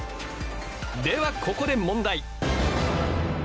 ではここで問題。